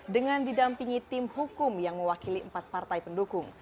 dengan didampingi tim hukum yang mewakili empat partai pendukung